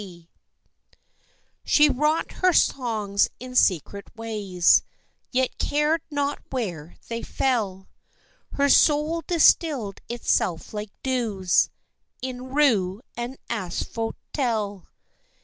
D._ She wrought her songs in secret ways, Yet cared not where they fell; Her soul distilled itself like dews In rue and asphodel.